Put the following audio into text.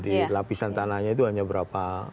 di lapisan tanahnya itu hanya berapa